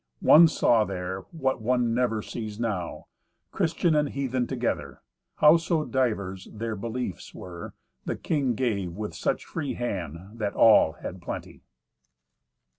One saw there what one never sees now—Christian and heathen together. Howso divers their beliefs were, the king gave with such free hand that all had plenty.